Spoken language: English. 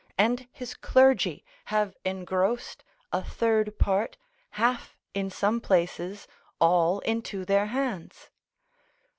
and his clergy, have engrossed a third part, half, in some places all, into their hands.